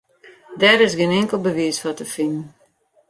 Dêr is gjin inkeld bewiis foar te finen.